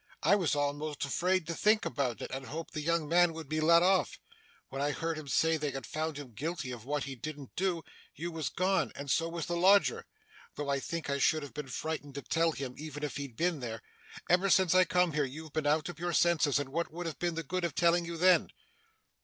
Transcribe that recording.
'I was almost afraid to think about it, and hoped the young man would be let off. When I heard 'em say they had found him guilty of what he didn't do, you was gone, and so was the lodger though I think I should have been frightened to tell him, even if he'd been there. Ever since I come here, you've been out of your senses, and what would have been the good of telling you then?